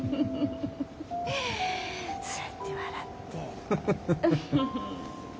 そうやって笑って。